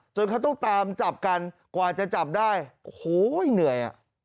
เขาต้องตามจับกันกว่าจะจับได้โอ้โหเหนื่อยอ่ะ